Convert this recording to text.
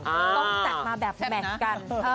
อ๋อเส็บนะต้องจัดมาแบบแบบกัน